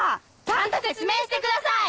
ちゃんと説明してください！